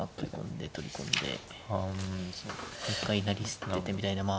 一回成り捨ててみたいなまあ。